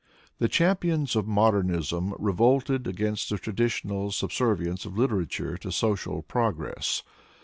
The cham pions of modernism revolted against the traditional sub servience of literature to social progress.